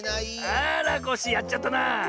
あらコッシーやっちゃったな！